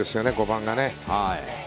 ５番がね。